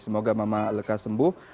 semoga mama lekas sembuh